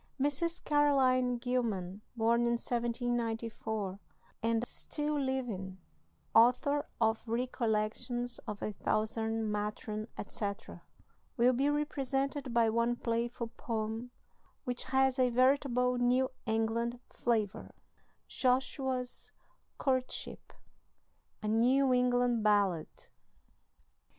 Mrs. Caroline Gilman, born in 1794, and still living, author of "Recollections of a Southern Matron," etc., will be represented by one playful poem, which has a veritable New England flavor: JOSHUA'S COURTSHIP. A NEW ENGLAND BALLAD.